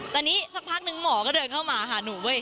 แต่นี่สักพักนึงหมอก็เดินเข้ามาหาหนู